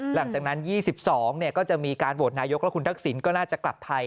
หลังจากนั้น๒๒ก็จะมีการโหวตนายกแล้วคุณทักษิณก็น่าจะกลับไทย